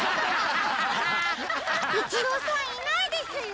イチローさんいないですよ。